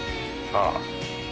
ああ。